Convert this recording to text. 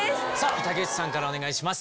竹内さんからお願いします。